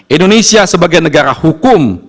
indonesia sebagai negara hukum